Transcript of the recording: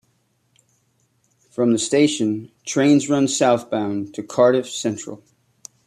From the station, trains run southbound to Cardiff Central.